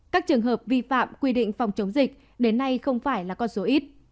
các trường hợp vi phạm quy định phòng chống dịch đến nay không phải là con số ít